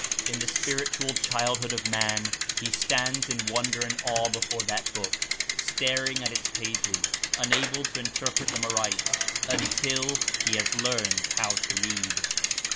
In the spirit ual childhood of man he stands in wonder and awe before that book, staring at its pages, unable to in terpret them aright — until he has learned how to read.